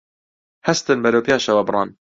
هەستن بەرەو پێشەوە بڕۆن